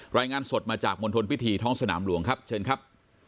รายงานสดมาจากมณฑลพิธีท้องสนามหลวงครับเชิญครับ